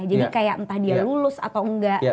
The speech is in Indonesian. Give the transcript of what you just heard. jadi kayak entah dia lulus atau enggak